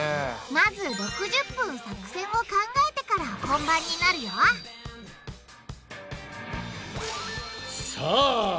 まず６０分作戦を考えてから本番になるよさあ